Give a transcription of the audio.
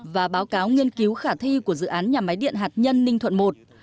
và báo cáo nghiên cứu khả thi của dự án nhà máy điện hạt nhân ninh thuận i